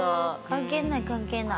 関係ない関係ない。